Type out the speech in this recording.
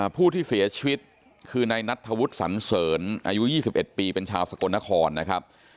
ผู้ที่เสียชีวิตคือนายนัทธวุฒิสันเสริญอายุ๒๑ปีเป็นชาวสกลนครนะครับ